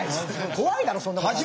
怖いだろそんなことあったら。